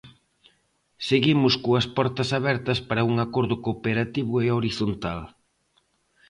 Seguimos coas portas abertas para un acordo cooperativo e horizontal.